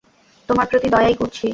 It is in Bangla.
তোমার প্রতি দয়াই করছি।